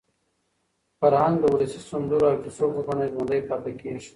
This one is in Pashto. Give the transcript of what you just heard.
فرهنګ د ولسي سندرو او کیسو په بڼه ژوندي پاتې کېږي.